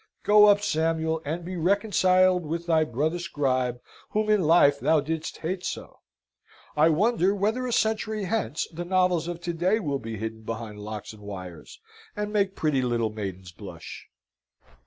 Go up, Samuel, and be reconciled with thy brother scribe, whom in life thou didst hate so. I wonder whether a century hence the novels of to day will be hidden behind locks and wires, and make pretty little maidens blush?